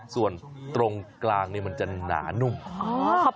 ส่วนตรงกลางนี่มันจะหนานุ่ม